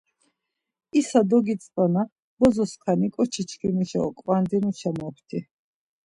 İsa dogitzvana bozo skani ǩoçi çkimişa oǩvandinuşa mopti.